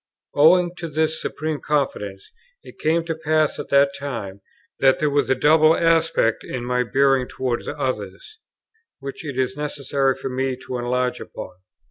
Owing to this supreme confidence, it came to pass at that time, that there was a double aspect in my bearing towards others, which it is necessary for me to enlarge upon.